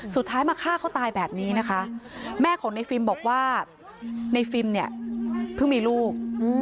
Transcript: สุดท้ายมาฆ่าเขาตายแบบนี้นะคะแม่ของในฟิล์มบอกว่าในฟิล์มเนี่ยเพิ่งมีลูก